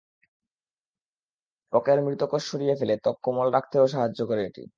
ত্বকের মৃত কোষ সরিয়ে ফেলে ত্বক কোমল রাখতেও সাহায্য করে এটি।